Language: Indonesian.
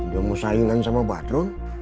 dia mau saingan sama batron